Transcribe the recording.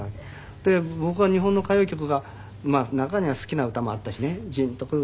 で僕は日本の歌謡曲が中には好きな歌もあったしねジーンとくる歌もあるし